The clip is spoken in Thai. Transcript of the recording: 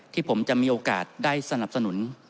ที่ผมจะมีโอกาสได้สนับสนุน